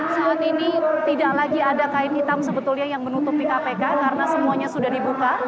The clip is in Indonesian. saat ini tidak lagi ada kain hitam sebetulnya yang menutupi kpk karena semuanya sudah dibuka